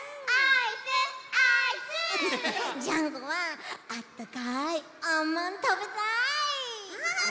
ジャンコはあったかいあんまんたべたい！キャハハ！